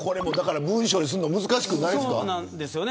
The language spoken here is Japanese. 文章にするの難しくないですか。